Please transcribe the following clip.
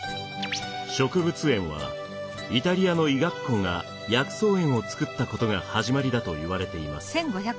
植物園はイタリアの医学校が薬草園を作ったことが始まりだといわれています。